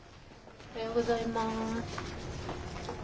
おはようございます。